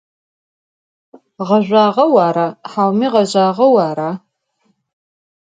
Ğezjüağeu ara, haumi ğezjağeu ara?